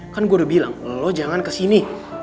kan gue udah bilang lo jangan kesini